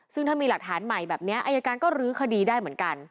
ซึ่งถ้ามีหลักฐานใหม่แบบนี้อายการก็ลื้อคดีได้เหมือนกัน